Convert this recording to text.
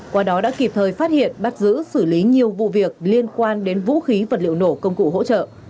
qua đó đã kịp thời phát hiện bắt giữ xử lý nhiều vụ việc liên quan đến vũ khí vật liệu nổ công cụ hỗ trợ